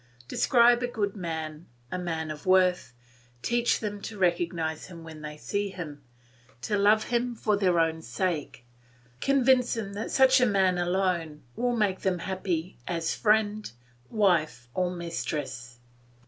Describe a good man, a man of worth, teach them to recognise him when they see him, to love him for their own sake; convince them that such a man alone can make them happy as friend, wife, or mistress.